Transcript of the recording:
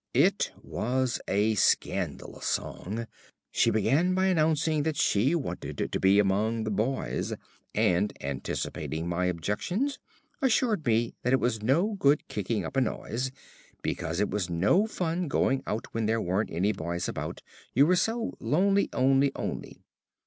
It was a scandalous song. She began by announcing that she wanted to be among the boys, and (anticipating my objections) assured me that it was no good kicking up a noise, because it was no fun going out when there weren't any boys about, you were so lonely onely onely....